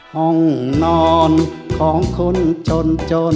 ห้องนอนของคนจนจน